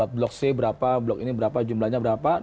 blok c berapa blok ini berapa jumlahnya berapa